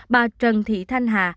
bà trần thị thanh hà